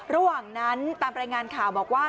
ระหว่างนั้นตามรายงานข่าวบอกว่า